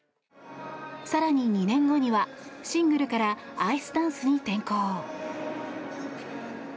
更に２年後には、シングルからアイスダンスに転向。